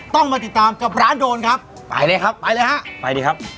ต้องมาติดตามกับร้านโดนครับไปเลยครับไปเลยฮะไปดีครับ